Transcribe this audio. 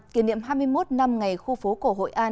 kỷ niệm hai mươi một năm ngày khu phố cổ hội an